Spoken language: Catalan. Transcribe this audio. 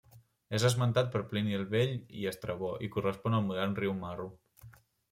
És esmentat per Plini el Vell i Estrabó i correspon al modern riu Marro.